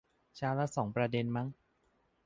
เช้าละสองประเด็นมั้ง